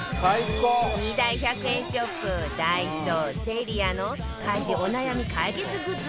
２大１００円ショップダイソーセリアの家事お悩み解決グッズ